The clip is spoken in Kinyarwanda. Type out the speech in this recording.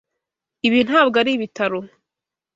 Ibi ntabwo ari ibitaro.